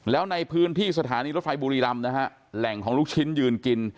แล้วในพื้นที่สถานีรถไฟบุรีรำนะฮะแหล่งของลูกชิ้นยืนกิน